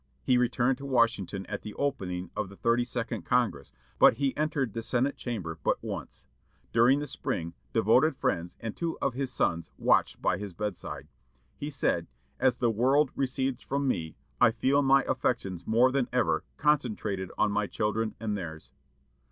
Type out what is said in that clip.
He returned to Washington at the opening of the thirty second Congress, but he entered the Senate chamber but once. During the spring, devoted friends and two of his sons watched by his bedside. He said: "As the world recedes from me, I feel my affections more than ever concentrated on my children and theirs."